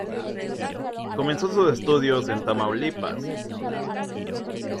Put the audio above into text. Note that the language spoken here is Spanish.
Comenzó sus estudios en Tamaulipas.